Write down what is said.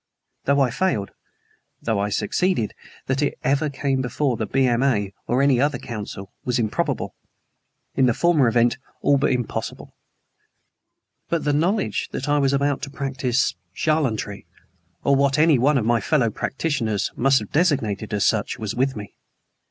Though I failed, though I succeeded, that it ever came before the B.M.A., or any other council, was improbable; in the former event, all but impossible. But the knowledge that I was about to practice charlatanry, or what any one of my fellow practitioners must have designated as such, was with me.